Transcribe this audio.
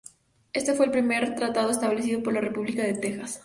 Este fue el primer tratado establecido por la República de Texas.